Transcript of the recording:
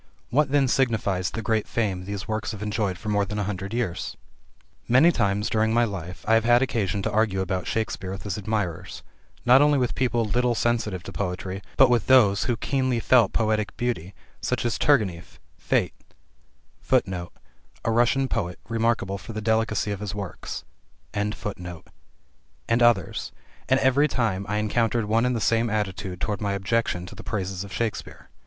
What then signifies the great fame these works have enjoyed for more than a hundred years? Many times during my life I have had occasion to argue about Shakespeare with his admirers, not only with people little sensitive to poetry, but with those who keenly felt poetic beauty, such as Turgenef, Fet, and others, and every time I encountered one and the same attitude toward my objection to the praises of Shakespeare.